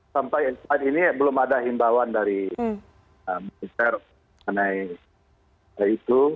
sampai saat ini belum ada himbawan dari minister